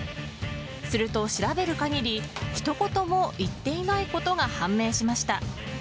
すると調べる限りひと言も言っていないことが判明しました。